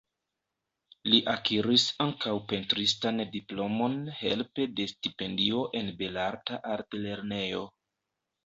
Li akiris ankaŭ pentristan diplomon helpe de stipendio en Belarta Altlernejo.